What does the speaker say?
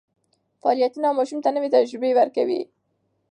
فعالیتونه ماشوم ته نوې تجربې ورکوي.